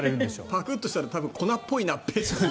パクッとしたら多分、粉っぽいなって。